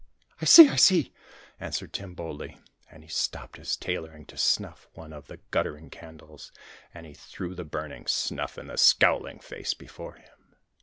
'I see, I see!' answered Tim, boldly, and he stopped his tailoring to snuff one of the guttering candles, and he threw the burning snuff in the scowling face before him.